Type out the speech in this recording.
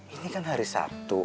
ini kan hari sabtu